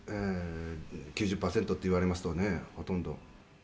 「９０パーセントって言われますとねほとんど」